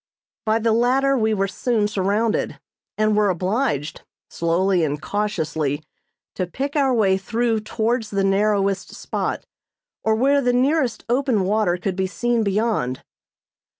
By the latter we were soon surrounded, and were obliged, slowly and cautiously, to pick our way through towards the narrowest spot, or where the nearest open water could be seen beyond.